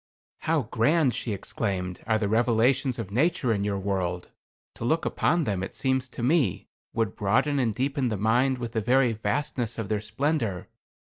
"How grand," she exclaimed, "are the revelations of nature in your world! To look upon them, it seems to me, would broaden and deepen the mind with the very vastness of their splendor.